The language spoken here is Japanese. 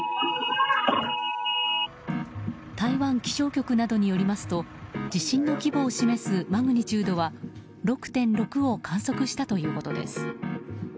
台湾気象局などによりますと地震の規模を示すマグニチュードは６．６を観測したということです。